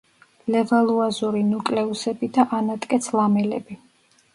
ლევალუაზური ნუკლეუსები და ანატკეც-ლამელები.